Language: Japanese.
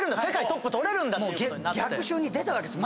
逆襲に出たわけです。